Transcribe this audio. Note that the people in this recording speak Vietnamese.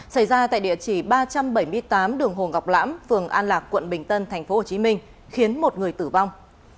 xảy ra tại địa chỉ ba trăm bảy mươi tám đường hồ ngọc lãm phường an lạc quận bình tân tp hcm khiến một người tử vong